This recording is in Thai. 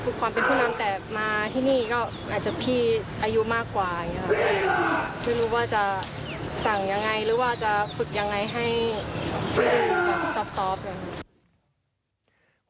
รู้ว่าจะสั่งยังไงและจะฝึกยังไงให้สอบ